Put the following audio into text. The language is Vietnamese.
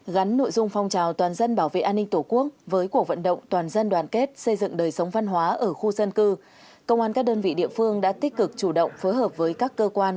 gắn nội dung phong trào toàn dân bảo vệ an ninh tổ quốc với cuộc vận động toàn dân đoàn kết xây dựng đời sống văn hóa ở khu dân cư công an các đơn vị địa phương đã tích cực chủ động phối hợp với các cơ quan